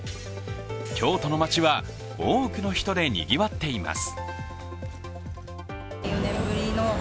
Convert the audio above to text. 京都の街は多くの人でにぎわっています。